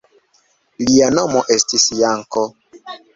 Lia nomo estis Janko.